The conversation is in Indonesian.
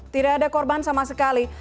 tidak ada korban sama sekali